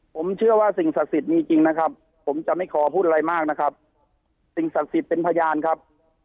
ผมเชื่อว่าสิ่งศักดิ์สิทธิ์มีจริงนะครับผมจะไม่ขอพูดอะไรมากนะครับสิ่งศักดิ์สิทธิ์เป็นพยานครับ